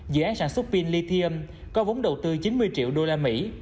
dự án sản xuất pin lithium có vốn đầu tư chín mươi triệu đô la mỹ